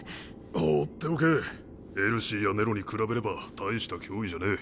放っておけエルシーやネロに比べれば大した脅威じゃねえ。